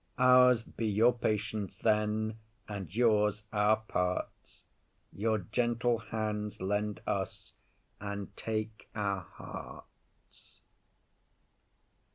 Ours be your patience then, and yours our parts; Your gentle hands lend us, and take our hearts.